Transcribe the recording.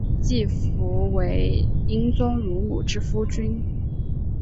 季福为英宗乳母之夫君。